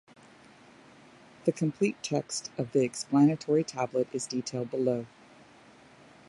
The complete text of the explanatory tablet is detailed below.